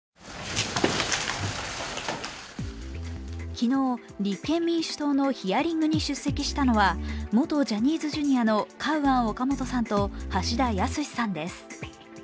昨日、立憲民主党のヒアリングに出席したのは元ジャニーズＪｒ．のカウアン・オカモトさんと橋田康さんです。